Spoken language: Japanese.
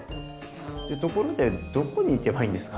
でところでどこに行けばいいんですか？